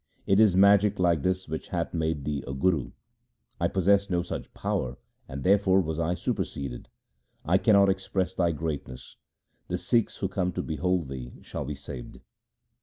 It is magic like this which hath made thee a Guru. I possess no such power, and therefore was I superseded. I cannot express thy greatness. The Sikhs who come to behold thee shall be saved.'